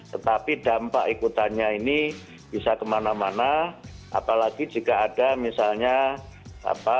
tetapi dampak ikutannya ini bisa kemana mana apalagi jika ada misalnya apa